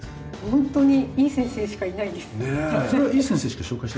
ほんとにいい先生しかいないです